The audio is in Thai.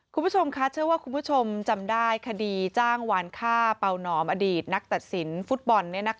คุณผู้ชมคะเชื่อว่าคุณผู้ชมจำได้คดีจ้างวานฆ่าเป่านอมอดีตนักตัดสินฟุตบอล